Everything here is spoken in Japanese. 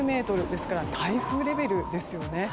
ですから、台風レベルですよね。